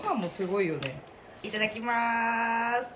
いただきます。